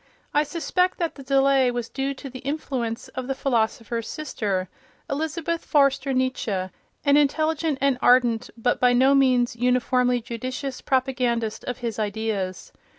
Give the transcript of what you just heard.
I suspect that the delay was due to the influence of the philosopher's sister, Elisabeth Förster Nietzsche, an intelligent and ardent but by no means uniformly judicious propagandist of his ideas.